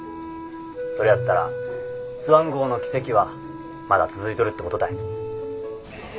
それやったらスワン号の奇跡はまだ続いとるってことたい。